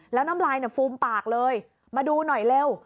แล้วน้ำลายฟูมปากเลยมาดูหน่อยเร็ว